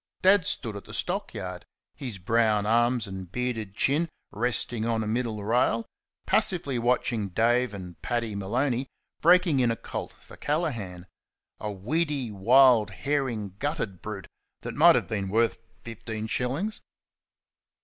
Dad stood at the stock yard his brown arms and bearded chin resting on a middle rail passively watching Dave and Paddy Maloney breaking in a colt for Callaghan a weedy, wild, herring gutted brute that might have been worth fifteen shillings.